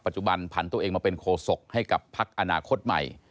จุบันผันตัวเองมาเป็นโคศกให้กับพักอนาคตใหม่